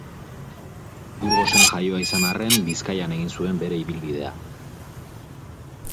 Burgosen jaioa izan arren, Bizkaian egin zuen bere ibilbidea.